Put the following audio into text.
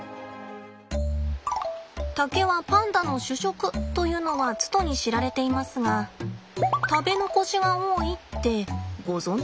竹はパンダの主食というのはつとに知られていますが食べ残しが多いってご存じです？